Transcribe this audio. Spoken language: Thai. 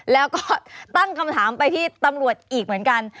แล้วก็ตั้งคำถามไปที่ตำรวจอีกเหมือนกัน